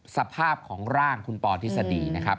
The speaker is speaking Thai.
สภาพของร่างคุณปอทฤษฎีนะครับ